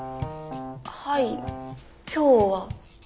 はい今日は。